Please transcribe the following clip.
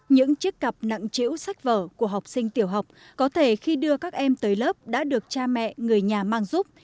những chiếc cặp nặng chữ sách vở của học sinh tiểu học có thể khi đưa các em tới lớp đã được cha mẹ người nhà mang giúp